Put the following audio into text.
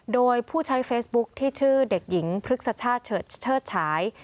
โดยผู้ใช้เฟซบุ๊คที่ชื่อเด็กหญิงพฤกษชาติเชิดฉาย